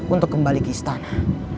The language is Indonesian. untuk kembali ke istana